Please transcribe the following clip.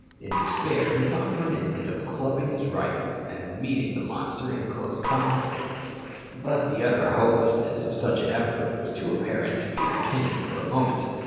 In despair he thought for an instant of clubbing his rifle and meeting the monster in close conflict; but the utter hopelessness of such an effort was too apparent to be entertained for a moment.